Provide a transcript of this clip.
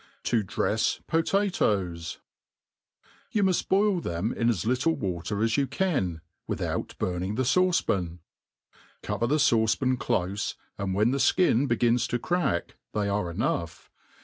To drefs Potatoes* YOU muft boil them in as little water as you can, without burning the fauce*pan. Cover the fauce pan clofe, and when the (kin begins to crack they are enough.